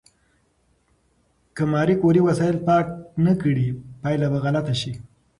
که ماري کوري وسایل پاک نه کړي، پایله به غلطه شي.